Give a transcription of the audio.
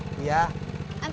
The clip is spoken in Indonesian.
sampai jumpa lagi